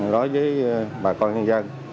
đối với bà con nhân dân